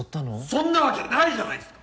そんなわけないじゃないっすか！